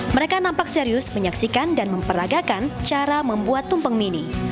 mereka nampak serius menyaksikan dan memperagakan cara membuat tumpeng mini